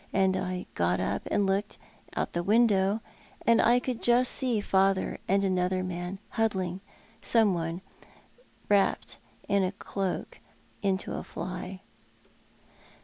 And I got up and looked out of the window, and could just see father and another man huddling someone v/rapped in a cloak into a fly."